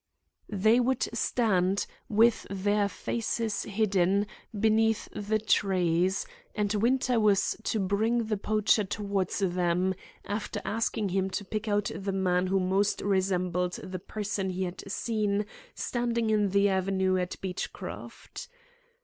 They would stand, with their faces hidden, beneath the trees, and Winter was to bring the poacher towards them, after asking him to pick out the man who most resembled the person he had seen standing in the avenue at Beechcroft.